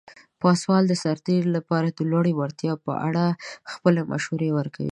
پاسوال د سرتیرو لپاره د لوړې وړتیا په اړه خپل مشورې ورکوي.